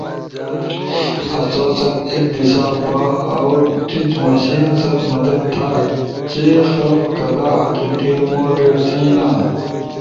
سو ست ایک دیشا با اؤ ٹیچ مشین ست مدد تھا چی خلق کدا ھقیقی موڙے تھینا